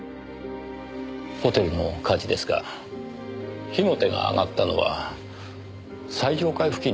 ホテルの火事ですが火の手が上がったのは最上階付近でしたね？